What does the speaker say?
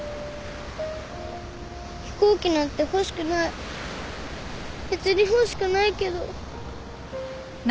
飛行機なんて欲しくない別に欲しくないけど。